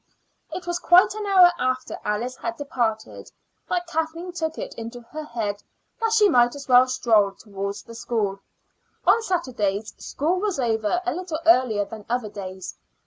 It was quite an hour after Alice had departed that Kathleen took it into her head that she might as well stroll towards the school. On Saturdays school was over a little earlier than other days.